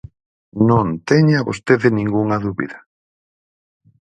Non teña vostede ningunha dúbida.